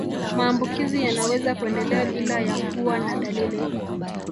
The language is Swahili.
Maambukizi yanaweza kuendelea bila ya kuwa na dalili